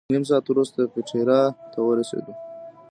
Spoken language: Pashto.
نیم ساعت وروسته پېټرا ته ورسېدو.